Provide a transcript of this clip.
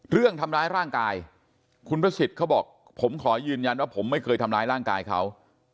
เรื่องทำร้ายร่างกายคุณพระสิทธิ์เขาบอกผมขอยืนยันว่าผมไม่เคยทำร้ายร่างกายเขา